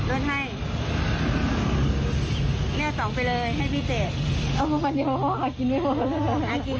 อะไรนะเอาใส่ถุงเดียวกัน